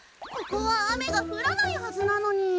ここは雨が降らないはずなのに。